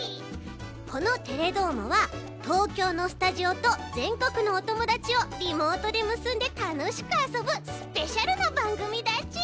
この「テレどーも！」は東京のスタジオとぜんこくのおともだちをリモートでむすんでたのしくあそぶスペシャルなばんぐみだち！